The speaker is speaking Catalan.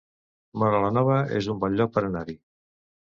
Móra la Nova es un bon lloc per anar-hi